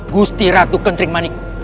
gusti ratu ketering manik